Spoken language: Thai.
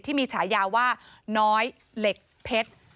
ที่มีฉายาว่าน้อยเหล็กเพชร